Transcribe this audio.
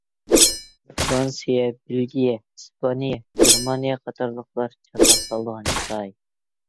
فىرانسىيە، بېلگىيە، ئىسپانىيە، گېرمانىيە قاتارلىقلار چاتاق سالىدىغان چىراي.